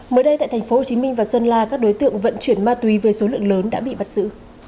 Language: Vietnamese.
mới đây tại tp hcm và sơn la các đối tượng vận chuyển ma túy với số lượng lớn đã bị bắt xử